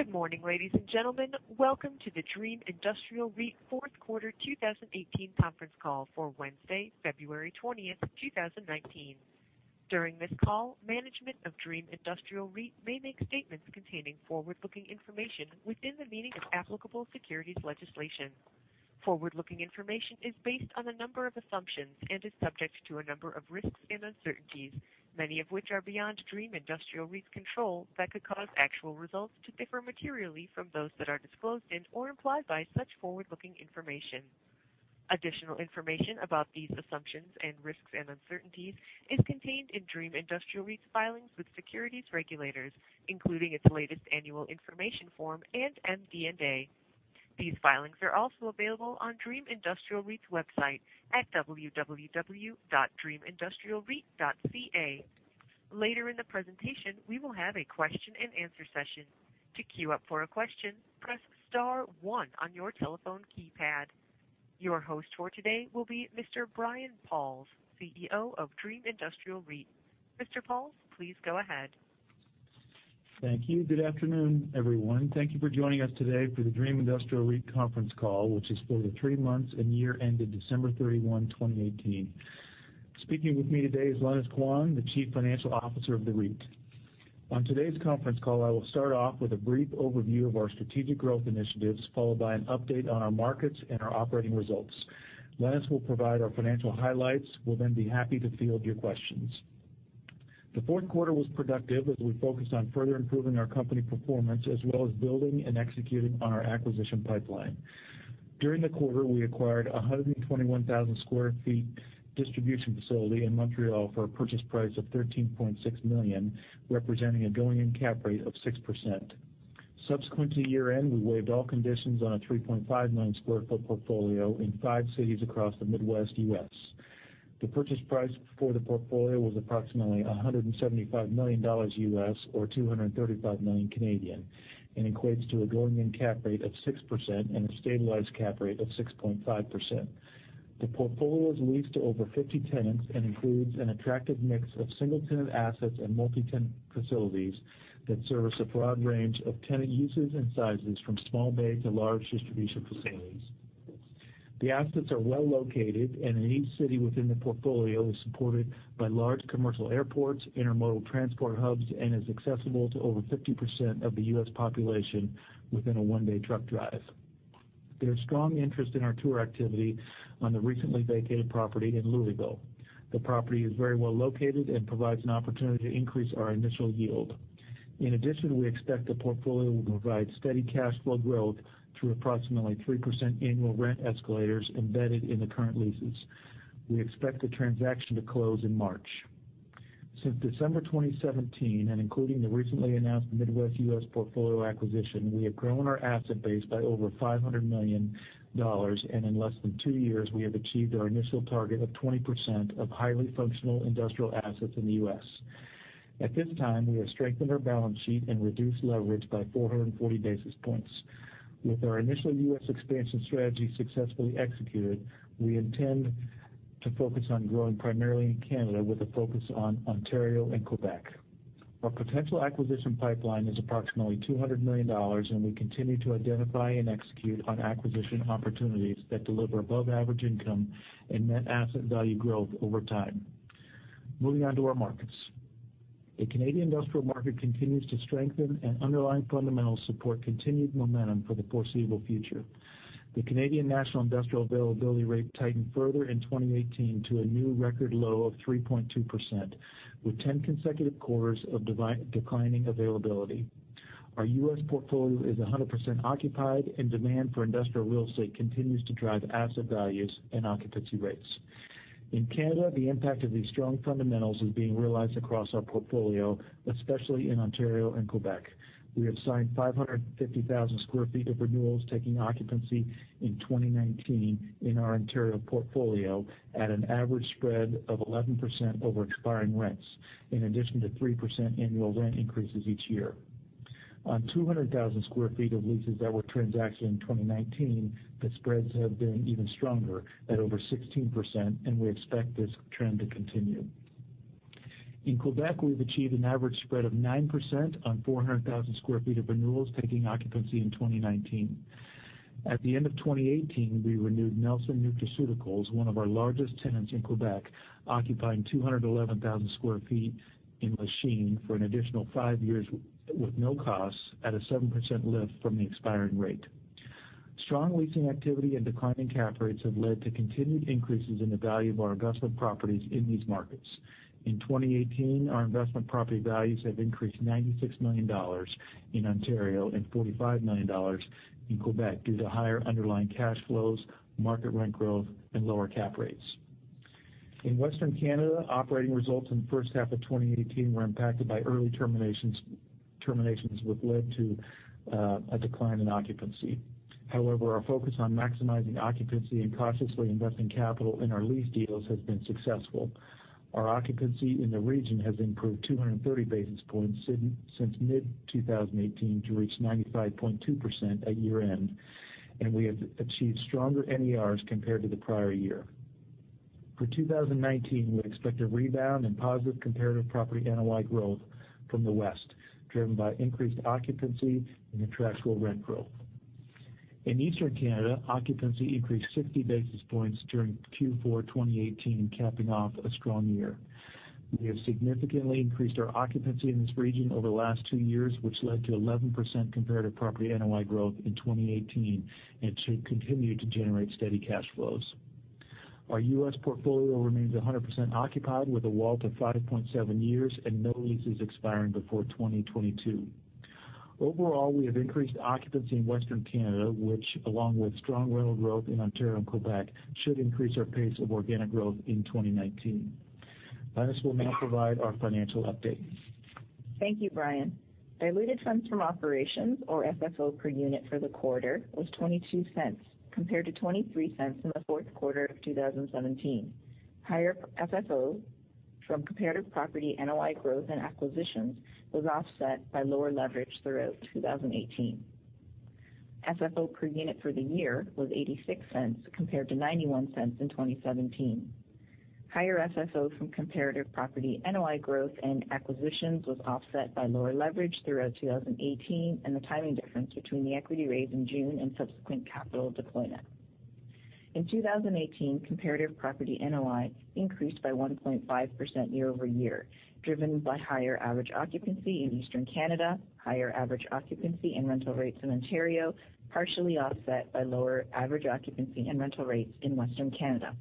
Good morning, ladies and gentlemen. Welcome to the Dream Industrial REIT fourth quarter 2018 conference call for Wednesday, February 20, 2019. During this call, management of Dream Industrial REIT may make statements containing forward-looking information within the meaning of applicable securities legislation. Forward-looking information is based on a number of assumptions and is subject to a number of risks and uncertainties, many of which are beyond Dream Industrial REIT’s control that could cause actual results to differ materially from those that are disclosed in or implied by such forward-looking information. Additional information about these assumptions and risks and uncertainties is contained in Dream Industrial REIT’s filings with securities regulators, including its latest annual information form and MD&A. These filings are also available on Dream Industrial REIT’s website at www.dreamindustrialreit.ca. Later in the presentation, we will have a question and answer session. To queue up for a question, press *1 on your telephone keypad. Your host for today will be Mr. Brian Pauls, CEO of Dream Industrial REIT. Mr. Pauls, please go ahead. Thank you. Good afternoon, everyone. Thank you for joining us today for the Dream Industrial REIT conference call, which is for the three months and year ended December 31, 2018. Speaking with me today is Lenis Quan, the Chief Financial Officer of the REIT. On today’s conference call, I will start off with a brief overview of our strategic growth initiatives, followed by an update on our markets and our operating results. Lenis will provide our financial highlights. We’ll then be happy to field your questions. The fourth quarter was productive as we focused on further improving our company performance, as well as building and executing on our acquisition pipeline. During the quarter, we acquired a 121,000 sq ft distribution facility in Montreal for a purchase price of 13.6 million, representing a going-in cap rate of 6%. Subsequent to year-end, we waived all conditions on a 3.59 million square feet portfolio in five cities across the Midwest U.S. The purchase price for the portfolio was approximately $175 million US, or 235 million Canadian dollars Canadian, and equates to a going-in cap rate of 6% and a stabilized cap rate of 6.5%. The portfolio is leased to over 50 tenants and includes an attractive mix of single-tenant assets and multi-tenant facilities that service a broad range of tenant uses and sizes, from small bay to large distribution facilities. The assets are well-located, and in each city within the portfolio is supported by large commercial airports, intermodal transport hubs, and is accessible to over 50% of the U.S. population within a one-day truck drive. There is strong interest in our tour activity on the recently vacated property in Louisville. The property is very well located and provides an opportunity to increase our initial yield. In addition, we expect the portfolio will provide steady cash flow growth through approximately 3% annual rent escalators embedded in the current leases. We expect the transaction to close in March. Since December 2017, and including the recently announced Midwest U.S. portfolio acquisition, we have grown our asset base by over 500 million dollars, and in less than two years, we have achieved our initial target of 20% of highly functional industrial assets in the U.S. At this time, we have strengthened our balance sheet and reduced leverage by 440 basis points. With our initial U.S. expansion strategy successfully executed, we intend to focus on growing primarily in Canada with a focus on Ontario and Quebec. Our potential acquisition pipeline is approximately 200 million dollars, we continue to identify and execute on acquisition opportunities that deliver above-average income and net asset value growth over time. Moving on to our markets. The Canadian industrial market continues to strengthen, underlying fundamentals support continued momentum for the foreseeable future. The Canadian national industrial availability rate tightened further in 2018 to a new record low of 3.2%, with 10 consecutive quarters of declining availability. Our U.S. portfolio is 100% occupied, demand for industrial real estate continues to drive asset values and occupancy rates. In Canada, the impact of these strong fundamentals is being realized across our portfolio, especially in Ontario and Quebec. We have signed 550,000 square feet of renewals, taking occupancy in 2019 in our Ontario portfolio at an average spread of 11% over expiring rents, in addition to 3% annual rent increases each year. On 200,000 square feet of leases that were transacted in 2019, the spreads have been even stronger at over 16%, we expect this trend to continue. In Quebec, we've achieved an average spread of 9% on 400,000 square feet of renewals, taking occupancy in 2019. At the end of 2018, we renewed Nelson Nutraceuticals, one of our largest tenants in Quebec, occupying 211,000 square feet in Lachine for an additional five years with no costs at a 7% lift from the expiring rate. Strong leasing activity and declining cap rates have led to continued increases in the value of our investment properties in these markets. In 2018, our investment property values have increased 96 million dollars in Ontario and 45 million dollars in Quebec due to higher underlying cash flows, market rent growth, and lower cap rates. In Western Canada, operating results in the first half of 2018 were impacted by early terminations, which led to a decline in occupancy. However, our focus on maximizing occupancy and cautiously investing capital in our lease deals has been successful. Our occupancy in the region has improved 230 basis points since mid-2018 to reach 95.2% at year-end, we have achieved stronger NERs compared to the prior year. For 2019, we expect a rebound in positive comparative property NOI growth from the West, driven by increased occupancy and contractual rent growth. In Eastern Canada, occupancy increased 60 basis points during Q4 2018, capping off a strong year. We have significantly increased our occupancy in this region over the last two years, which led to 11% comparative property NOI growth in 2018 and should continue to generate steady cash flows. Our U.S. portfolio remains 100% occupied, with a WALT of 5.7 years and no leases expiring before 2022. Overall, we have increased occupancy in Western Canada, which, along with strong rental growth in Ontario and Quebec, should increase our pace of organic growth in 2019. Lenis will now provide our financial update. Thank you, Brian. Diluted funds from operations or FFO per unit for the quarter was 0.22, compared to 0.23 in the fourth quarter of 2017. Higher FFO from comparative property NOI growth and acquisitions was offset by lower leverage throughout 2018. FFO per unit for the year was 0.86, compared to 0.91 in 2017. Higher FFO from comparative property NOI growth and acquisitions was offset by lower leverage throughout 2018 and the timing difference between the equity raise in June and subsequent capital deployment. In 2018, comparative property NOI increased by 1.5% year-over-year, driven by higher average occupancy in Eastern Canada, higher average occupancy and rental rates in Ontario, partially offset by lower average occupancy and rental rates in Western Canada.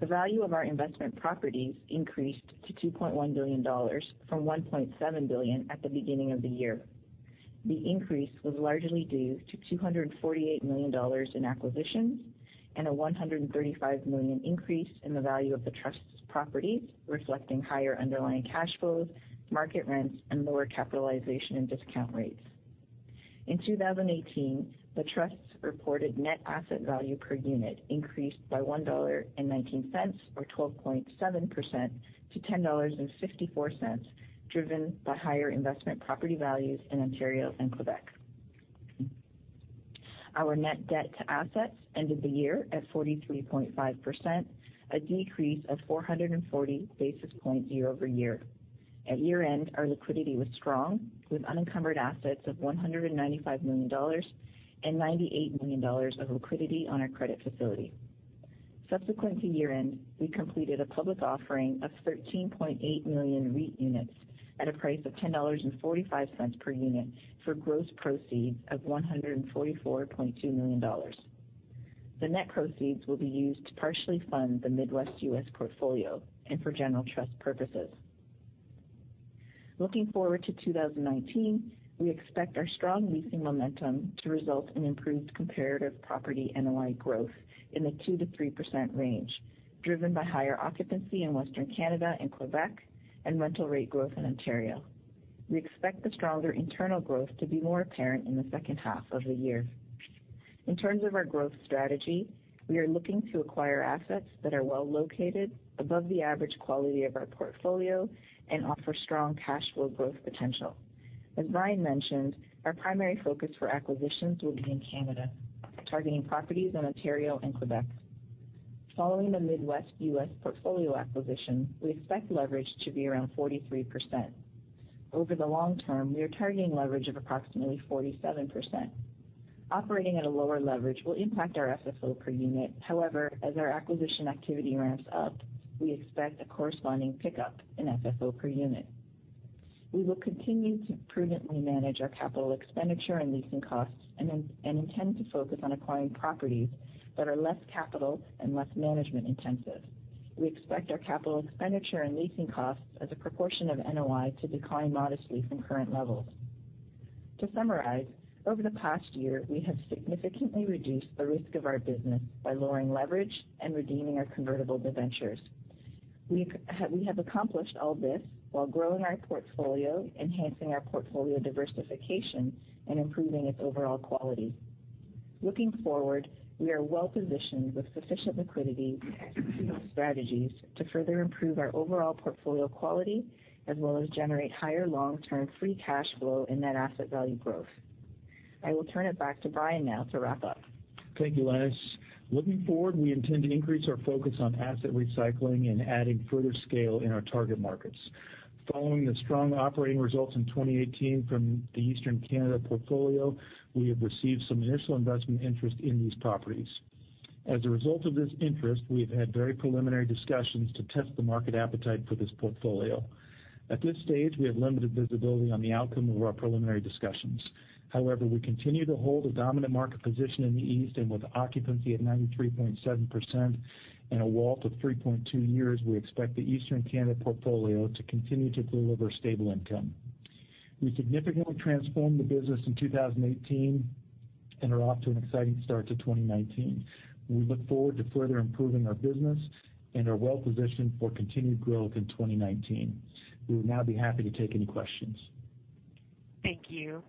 The value of our investment properties increased to 2.1 billion dollars from 1.7 billion at the beginning of the year. The increase was largely due to 248 million dollars in acquisitions and a 135 million increase in the value of the trust's properties, reflecting higher underlying cash flows, market rents, and lower capitalization and discount rates. In 2018, the trust's reported net asset value per unit increased by 1.19 dollar or 12.7% to 10.54 dollars, driven by higher investment property values in Ontario and Quebec. Our net debt to assets ended the year at 43.5%, a decrease of 440 basis points year-over-year. At year-end, our liquidity was strong, with unencumbered assets of 195 million dollars and 98 million dollars of liquidity on our credit facility. Subsequent to year-end, we completed a public offering of 13.8 million REIT units at a price of 10.45 dollars per unit, for gross proceeds of 144.2 million dollars. The net proceeds will be used to partially fund the Midwest U.S. portfolio and for general trust purposes. Looking forward to 2019, we expect our strong leasing momentum to result in improved comparative property NOI growth in the 2%-3% range, driven by higher occupancy in Western Canada and Quebec, and rental rate growth in Ontario. We expect the stronger internal growth to be more apparent in the second half of the year. In terms of our growth strategy, we are looking to acquire assets that are well-located, above the average quality of our portfolio, and offer strong cash flow growth potential. As Brian mentioned, our primary focus for acquisitions will be in Canada, targeting properties in Ontario and Quebec. Following the Midwest U.S. portfolio acquisition, we expect leverage to be around 43%. Over the long term, we are targeting leverage of approximately 47%. Operating at a lower leverage will impact our FFO per unit. However, as our acquisition activity ramps up, we expect a corresponding pickup in FFO per unit. We will continue to prudently manage our capital expenditure and leasing costs and intend to focus on acquiring properties that are less capital and less management intensive. We expect our capital expenditure and leasing costs as a proportion of NOI to decline modestly from current levels. To summarize, over the past year, we have significantly reduced the risk of our business by lowering leverage and redeeming our convertible debentures. We have accomplished all this while growing our portfolio, enhancing our portfolio diversification, and improving its overall quality. Looking forward, we are well-positioned with sufficient liquidity and proven strategies to further improve our overall portfolio quality, as well as generate higher long-term free cash flow and net asset value growth. I will turn it back to Brian now to wrap up. Thank you, Lenis. Looking forward, we intend to increase our focus on asset recycling and adding further scale in our target markets. Following the strong operating results in 2018 from the Eastern Canada portfolio, we have received some initial investment interest in these properties. As a result of this interest, we have had very preliminary discussions to test the market appetite for this portfolio. At this stage, we have limited visibility on the outcome of our preliminary discussions. However, we continue to hold a dominant market position in the East, and with occupancy at 93.7% and a WALT to 3.2 years, we expect the Eastern Canada portfolio to continue to deliver stable income. We significantly transformed the business in 2018 and are off to an exciting start to 2019. We look forward to further improving our business and are well-positioned for continued growth in 2019. We will now be happy to take any questions. Thank you.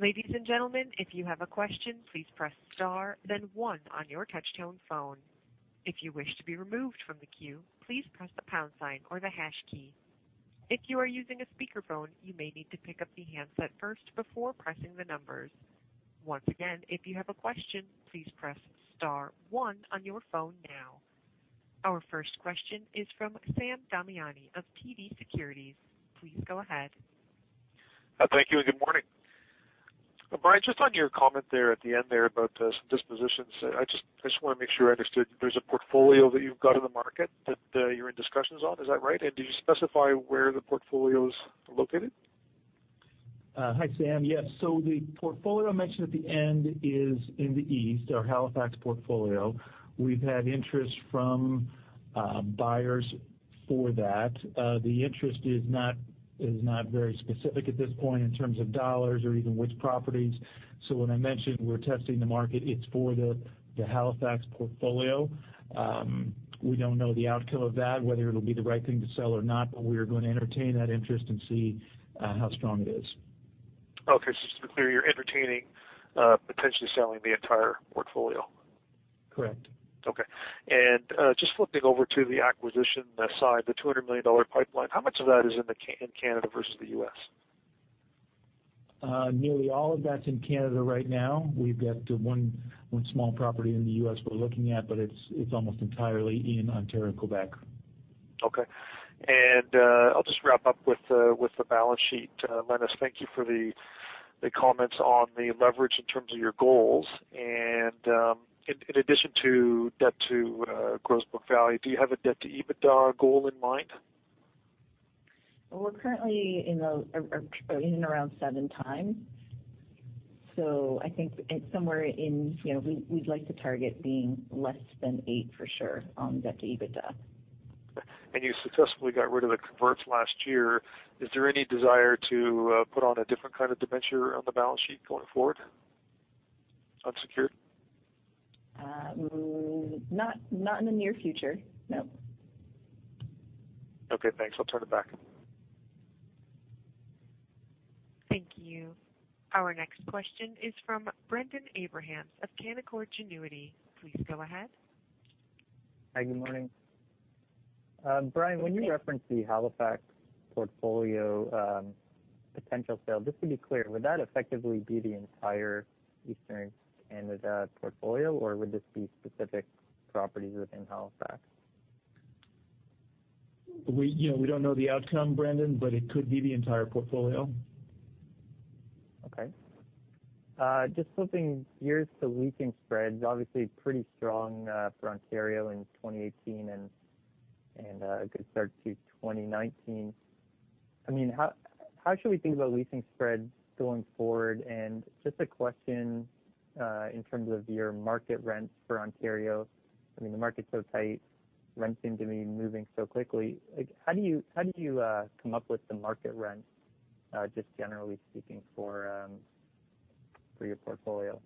Ladies and gentlemen, if you have a question, please press star, then one on your touchtone phone. If you wish to be removed from the queue, please press the pound sign or the hash key. If you are using a speakerphone, you may need to pick up the handset first before pressing the numbers. Once again, if you have a question, please press star one on your phone now. Our first question is from Sam Damiani of TD Securities. Please go ahead. Thank you and good morning. Brian, just on your comment there at the end there about some dispositions, I just want to make sure I understood. There's a portfolio that you've got in the market that you're in discussions on. Is that right? Did you specify where the portfolio's located? Hi, Sam. Yes. The portfolio I mentioned at the end is in the East, our Halifax portfolio. We've had interest from buyers for that. The interest is not very specific at this point in terms of dollars or even which properties. When I mentioned we're testing the market, it's for the Halifax portfolio. We don't know the outcome of that, whether it'll be the right thing to sell or not, we are going to entertain that interest and see how strong it is. Okay. Just to be clear, you're entertaining potentially selling the entire portfolio. Correct. Okay. Just flipping over to the acquisition side, the 200 million dollar pipeline, how much of that is in Canada versus the U.S.? Nearly all of that's in Canada right now. We've got one small property in the U.S. we're looking at, but it's almost entirely in Ontario and Quebec. Okay. I'll just wrap up with the balance sheet. Lenis, thank you for the comments on the leverage in terms of your goals. In addition to debt to gross book value, do you have a debt to EBITDA goal in mind? Well, we're currently in and around seven times. We'd like to target being less than eight for sure on debt to EBITDA. You successfully got rid of the converts last year. Is there any desire to put on a different kind of debenture on the balance sheet going forward? Unsecured? Not in the near future, no. Okay, thanks. I'll turn it back. Thank you. Our next question is from Brendon Abrams of Canaccord Genuity. Please go ahead. Hi, good morning. Brian, when you referenced the Halifax portfolio potential sale, just to be clear, would that effectively be the entire Eastern Canada portfolio, or would this be specific properties within Halifax? We don't know the outcome, Brendon, but it could be the entire portfolio. Okay. Just flipping gears to leasing spreads, obviously pretty strong for Ontario in 2018 and a good start to 2019. How should we think about leasing spreads going forward? Just a question, in terms of your market rents for Ontario, the market's so tight, rents seem to be moving so quickly. How do you come up with the market rents, just generally speaking, for your portfolio?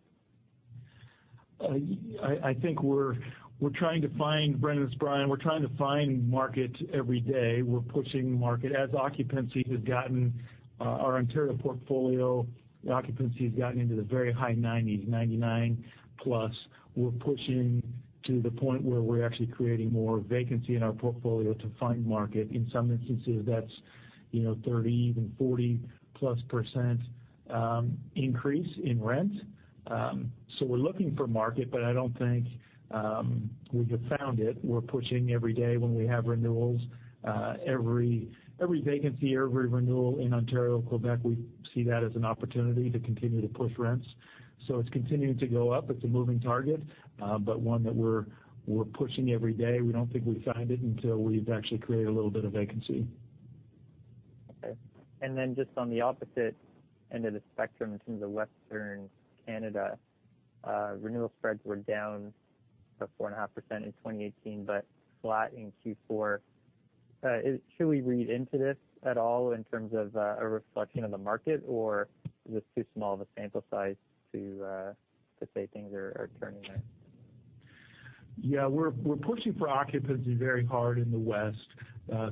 Brian, we're trying to find market every day. We're pushing market. As occupancy has gotten our Ontario portfolio, the occupancy has gotten into the very high nineties, 99 plus. We're pushing to the point where we're actually creating more vacancy in our portfolio to find market. In some instances, that's 30, even 40+% increase in rent. We're looking for market, but I don't think we have found it. We're pushing every day when we have renewals. Every vacancy, every renewal in Ontario and Quebec, we see that as an opportunity to continue to push rents. It's continuing to go up. It's a moving target, but one that we're pushing every day. We don't think we've found it until we've actually created a little bit of vacancy. Okay. Just on the opposite end of the spectrum, in terms of Western Canada, renewal spreads were down about 4.5% in 2018, but flat in Q4. Should we read into this at all in terms of a reflection of the market, or is this too small of a sample size to say things are turning there? Yeah, we're pushing for occupancy very hard in the West.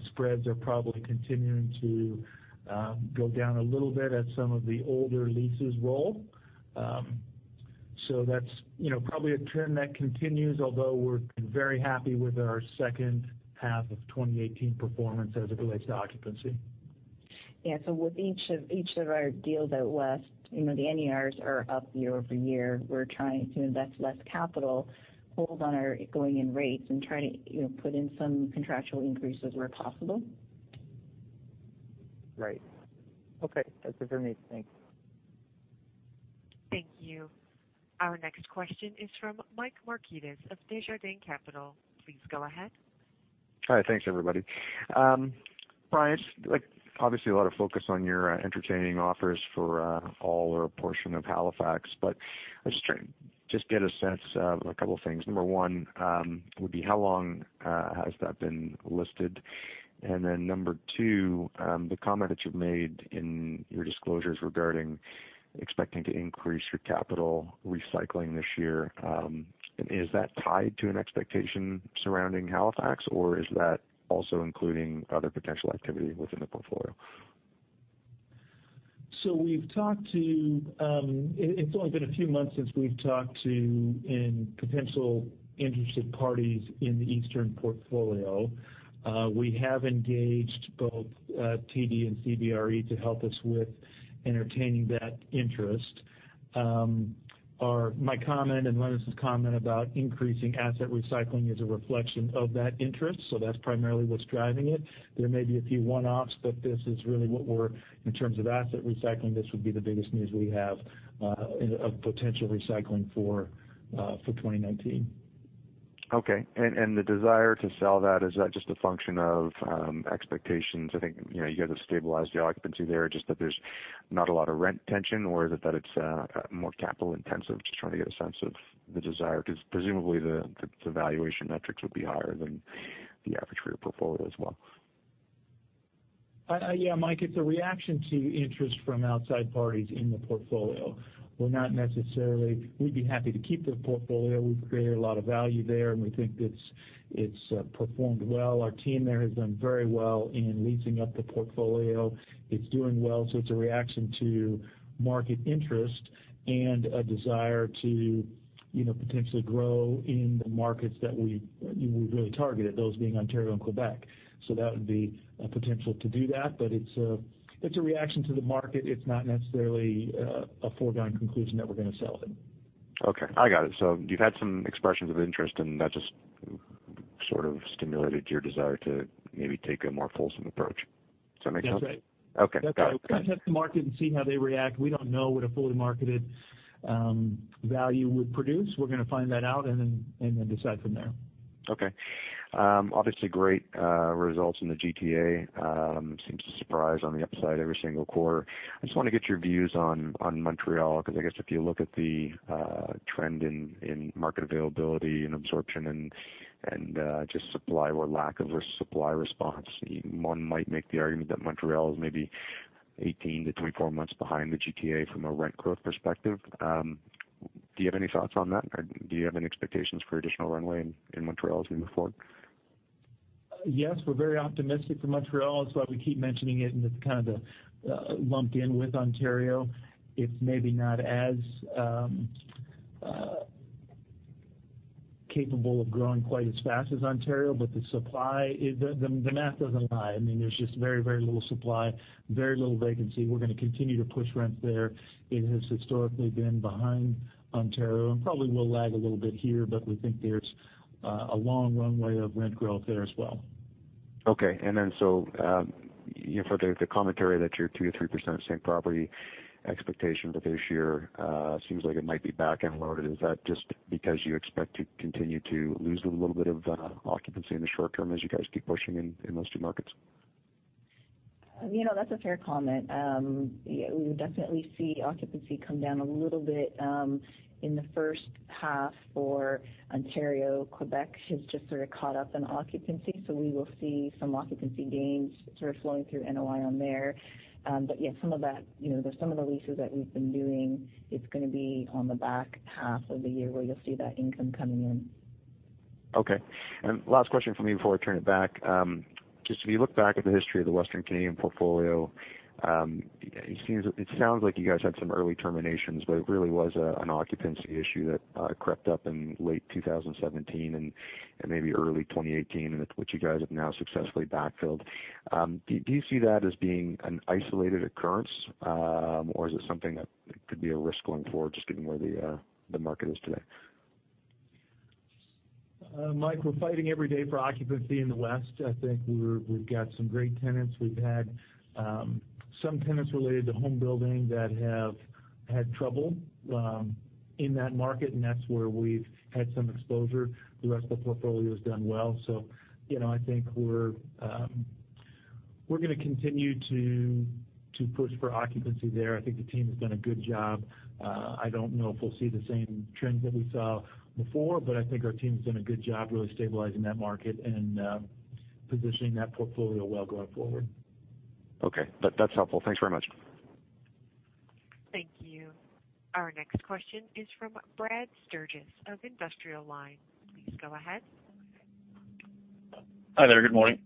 Spreads are probably continuing to go down a little bit as some of the older leases roll. That's probably a trend that continues, although we're very happy with our second half of 2018 performance as it relates to occupancy. Yeah. With each of our deals out West, the NERs are up year-over-year. We're trying to invest less capital, hold on our going-in rates, and try to put in some contractual increases where possible. Right. Okay, that's everything. Thanks. Thank you. Our next question is from Mike Markidis of Desjardins Capital. Please go ahead. Hi. Thanks, everybody. Brian, obviously a lot of focus on your entertaining offers for all or a portion of Halifax, I just trying to just get a sense of a couple of things. Number one, would be how long has that been listed? Number two, the comment that you've made in your disclosures regarding expecting to increase your capital recycling this year, is that tied to an expectation surrounding Halifax, or is that also including other potential activity within the portfolio? It's only been a few months since we've talked to potential interested parties in the Eastern portfolio. We have engaged both TD and CBRE to help us with entertaining that interest. My comment and Lenis' comment about increasing asset recycling is a reflection of that interest. That's primarily what's driving it. There may be a few one-offs, this is really what we're, in terms of asset recycling, this would be the biggest news we have of potential recycling for 2019. Okay. The desire to sell that, is that just a function of expectations? I think you guys have stabilized the occupancy there, just that there's not a lot of rent tension, or is it that it's more capital intensive? Just trying to get a sense of the desire, because presumably, the valuation metrics would be higher than the average for your portfolio as well. Yeah, Mike, it's a reaction to interest from outside parties in the portfolio. We'd be happy to keep the portfolio. We've created a lot of value there, and we think it's performed well. Our team there has done very well in leasing up the portfolio. It's doing well. It's a reaction to market interest and a desire to potentially grow in the markets that we've really targeted, those being Ontario and Quebec. That would be a potential to do that. It's a reaction to the market. It's not necessarily a foregone conclusion that we're going to sell it. Okay, I got it. You've had some expressions of interest, that just sort of stimulated your desire to maybe take a more fulsome approach. Does that make sense? That's right. Okay, got it. We're going to test the market and see how they react. We don't know what a fully marketed value would produce. We're going to find that out and then decide from there. Okay. Obviously great results in the GTA. Seems to surprise on the upside every single quarter. I just want to get your views on Montreal, because I guess if you look at the trend in market availability and absorption and just supply or lack of supply response, one might make the argument that Montreal is maybe 18-24 months behind the GTA from a rent growth perspective. Do you have any thoughts on that? Do you have any expectations for additional runway in Montreal as we move forward? Yes, we're very optimistic for Montreal. That's why we keep mentioning it, and it's kind of lumped in with Ontario. It's maybe not as capable of growing quite as fast as Ontario, but the math doesn't lie. There's just very little supply, very little vacancy. We're going to continue to push rents there. It has historically been behind Ontario, and probably will lag a little bit here, but we think there's a long runway of rent growth there as well. Okay. For the commentary that your 2%-3% same property expectation for this year seems like it might be back-end loaded. Is that just because you expect to continue to lose a little bit of occupancy in the short term as you guys keep pushing in those two markets? That's a fair comment. We would definitely see occupancy come down a little bit in the first half for Ontario. Quebec has just sort of caught up in occupancy. We will see some occupancy gains sort of flowing through NOI on there. Yeah, some of the leases that we've been doing, it's going to be on the back half of the year where you'll see that income coming in. Okay. Last question from me before I turn it back. Just if you look back at the history of the Western Canadian portfolio, it sounds like you guys had some early terminations. It really was an occupancy issue that crept up in late 2017 and maybe early 2018, which you guys have now successfully backfilled. Do you see that as being an isolated occurrence? Is it something that could be a risk going forward, just given where the market is today? Mike, we're fighting every day for occupancy in the West. I think we've got some great tenants. We've had some tenants related to home building that have had trouble in that market. That's where we've had some exposure. The rest of the portfolio's done well. I think we're going to continue to push for occupancy there. I think the team has done a good job. I don't know if we'll see the same trends that we saw before. I think our team's done a good job really stabilizing that market and positioning that portfolio well going forward. Okay. That's helpful. Thanks very much. Thank you. Our next question is from Brad Sturges of Industrial Alliance Securities. Please go ahead. Hi there. Good morning.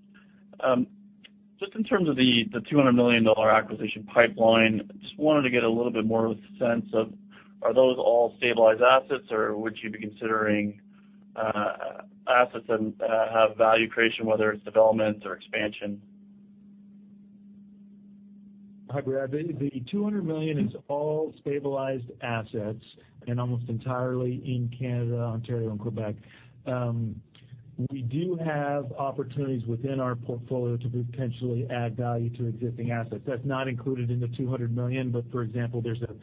Just in terms of the 200 million dollar acquisition pipeline, just wanted to get a little bit more of a sense of, are those all stabilized assets, or would you be considering assets that have value creation, whether it's development or expansion? Hi, Brad. The 200 million is all stabilized assets and almost entirely in Canada, Ontario, and Quebec. We do have opportunities within our portfolio to potentially add value to existing assets. That's not included in the 200 million, but for example, there's a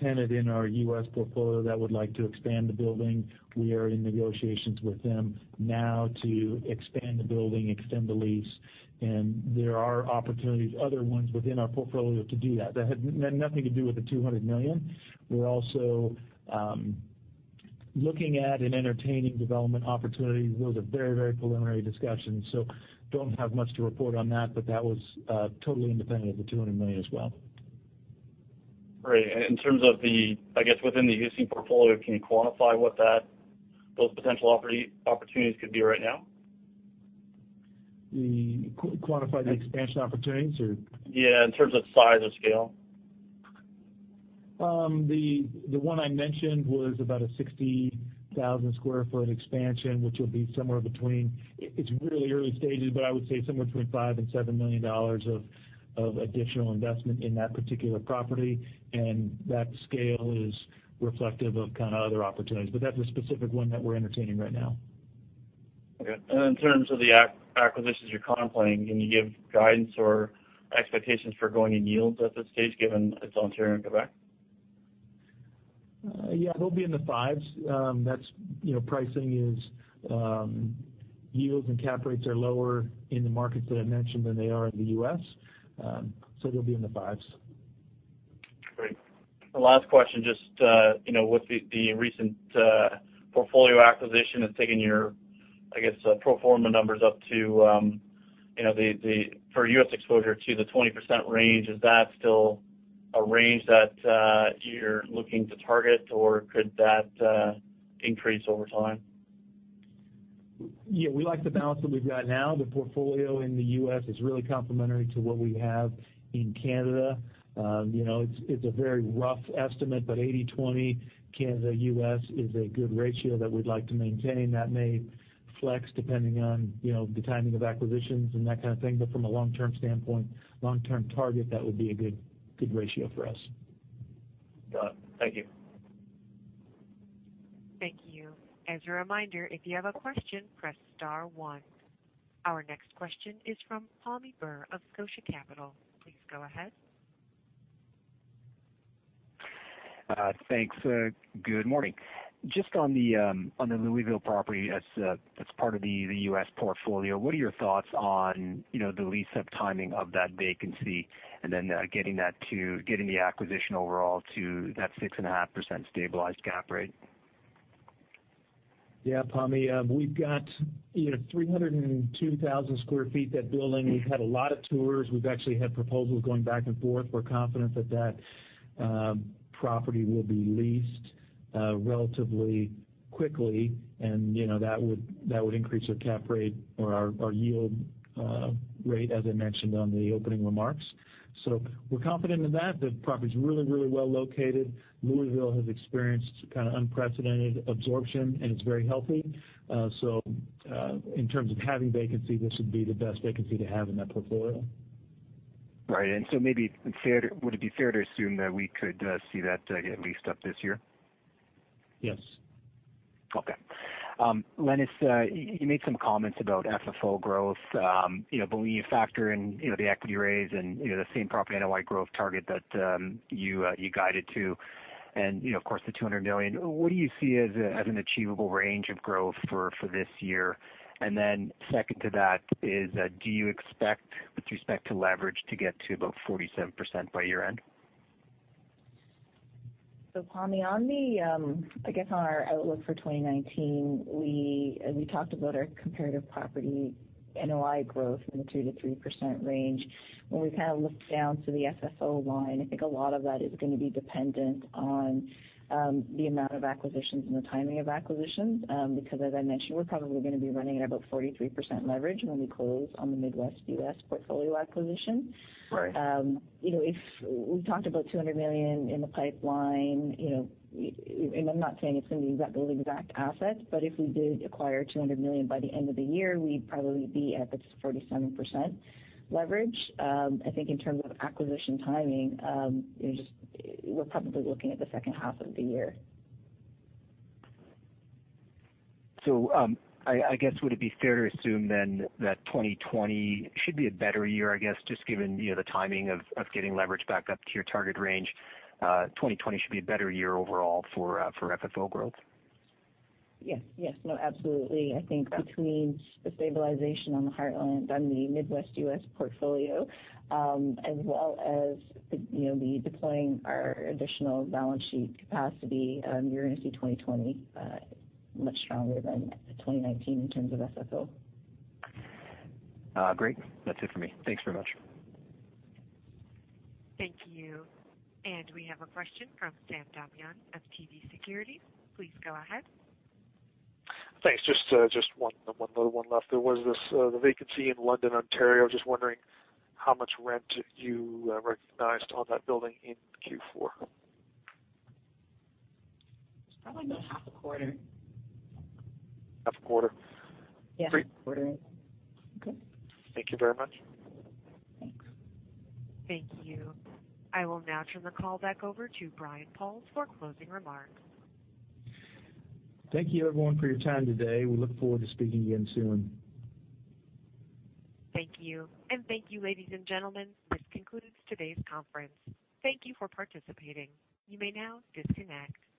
tenant in our U.S. portfolio that would like to expand the building. We are in negotiations with them now to expand the building, extend the lease, and there are opportunities, other ones within our portfolio to do that. That had nothing to do with the 200 million. We're also looking at and entertaining development opportunities. Those are very preliminary discussions, so don't have much to report on that, but that was totally independent of the 200 million as well. Great. In terms of the, I guess, within the U.S. portfolio, can you quantify what those potential opportunities could be right now? To quantify the expansion opportunities. Yeah. In terms of size or scale. The one I mentioned was about a 60,000 sq ft expansion, which will be somewhere between. It's really early stages, but I would say somewhere between 5 million-7 million dollars of additional investment in that particular property, and that scale is reflective of other opportunities. That's a specific one that we're entertaining right now. Okay. In terms of the acquisitions you're contemplating, can you give guidance or expectations for going in yields at this stage, given it's Ontario and Quebec? Yeah. They'll be in the fives. Yields and cap rates are lower in the markets that I mentioned than they are in the U.S. They'll be in the fives. Great. The last question, just with the recent portfolio acquisition has taken your, I guess, pro forma numbers up to, for U.S. exposure to the 20% range. Is that still a range that you're looking to target, or could that increase over time? Yeah. We like the balance that we've got now. The portfolio in the U.S. is really complementary to what we have in Canada. It's a very rough estimate, but 80-20 Canada U.S. is a good ratio that we'd like to maintain. That may flex depending on the timing of acquisitions and that kind of thing. From a long-term standpoint, long-term target, that would be a good ratio for us. Got it. Thank you. Thank you. As a reminder, if you have a question, press star one. Our next question is from Pammi Bir of Scotia Capital. Please go ahead. Thanks. Good morning. Just on the Louisville property that's part of the U.S. portfolio. What are your thoughts on the lease-up timing of that vacancy and then getting the acquisition overall to that 6.5% stabilized cap rate? Yeah, Pammi, we've got 302,000 sq ft, that building, we've had a lot of tours. We've actually had proposals going back and forth. We're confident that that property will be leased relatively quickly, and that would increase our cap rate or our yield rate, as I mentioned on the opening remarks. We're confident in that. The property's really well located. Louisville has experienced unprecedented absorption, and it's very healthy. In terms of having vacancy, this would be the best vacancy to have in that portfolio. Right. Would it be fair to assume that we could see that get leased up this year? Yes. Okay. Lenis, you made some comments about FFO growth, believe factor in the equity raise and the same property NOI growth target that you guided to and, of course, the 200 million. What do you see as an achievable range of growth for this year? Second to that is, do you expect with respect to leverage to get to about 47% by year-end? Pammi, I guess, on our outlook for 2019, we talked about our comparative property NOI growth in the 2%-3% range. We look down to the FFO line, I think a lot of that is going to be dependent on the amount of acquisitions and the timing of acquisitions. As I mentioned, we're probably going to be running at about 43% leverage when we close on the Midwest U.S. portfolio acquisition. Right. We talked about 200 million in the pipeline. I'm not saying it's going to be those exact assets, but if we did acquire 200 million by the end of the year, we'd probably be at the 47% leverage. I think in terms of acquisition timing, we're probably looking at the second half of the year. I guess, would it be fair to assume that 2020 should be a better year, I guess, just given the timing of getting leverage back up to your target range, 2020 should be a better year overall for FFO growth? Yes. No, absolutely. I think between the stabilization on the Heartland, on the Midwest U.S. portfolio, as well as the deploying our additional balance sheet capacity, you are going to see 2020 much stronger than 2019 in terms of FFO. Great. That is it for me. Thanks very much. Thank you. We have a question from Sam Damiani of TD Securities. Please go ahead. Thanks. Just one little one left. There was this, the vacancy in London, Ontario. Just wondering how much rent you recognized on that building in Q4. It's probably about half a quarter. Half a quarter. Yeah. Great. Quarter rent. Okay. Thank you very much. Thanks. Thank you. I will now turn the call back over to Brian Pauls for closing remarks. Thank you everyone for your time today. We look forward to speaking again soon. Thank you. Thank you, ladies and gentlemen. This concludes today's conference. Thank you for participating. You may now disconnect.